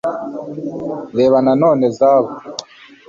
Reba nanone Zab